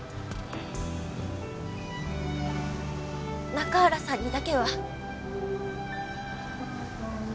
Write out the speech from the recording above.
中原さんにだけは！